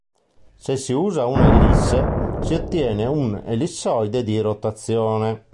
Se si usa una ellisse, si ottiene un ellissoide di rotazione.